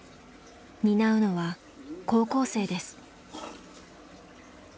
担うのは高校生です。